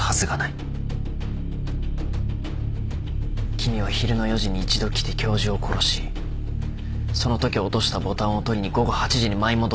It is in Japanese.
君は昼の４時に一度来て教授を殺しそのとき落としたボタンを取りに午後８時に舞い戻った。